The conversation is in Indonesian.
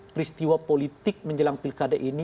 peristiwa politik menjelang pilkada ini